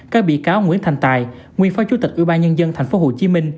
các bị cáo nguyễn thành tài nguyên phó chủ tịch ủy ban nhân dân tp hcm